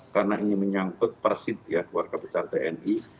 karena ini menyangkut persidia keluarga besar tni